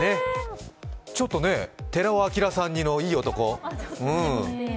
ちょっと寺尾聰さん似のいい男。